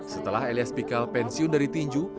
setelah elias pikal pensiun dari tinju